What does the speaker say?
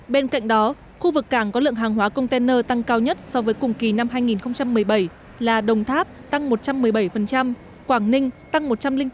bên cạnh đó khu vực cảng có lượng hàng hóa container tăng cao nhất so với cùng kỳ năm hai nghìn một mươi bảy là đồng tháp tăng một trăm một mươi bảy quảng ninh tăng một trăm linh bốn